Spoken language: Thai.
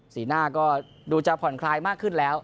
สีหน้าก็ดูจะผ่อนคลายมากขึ้นแล้ว